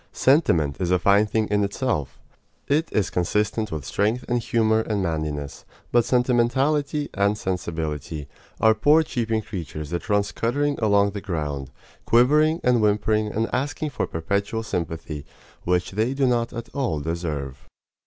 Sentiment is a fine thing in itself. It is consistent with strength and humor and manliness; but sentimentality and sensibility are poor cheeping creatures that run scuttering along the ground, quivering and whimpering and asking for perpetual sympathy, which they do not at all deserve.